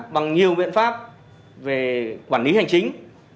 bằng nhiều biện pháp về quản lý hành chính